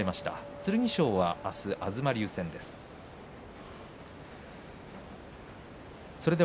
剣翔は東龍戦です。